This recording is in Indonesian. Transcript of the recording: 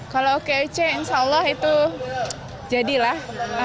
kalau okoc insya allah itu jadilah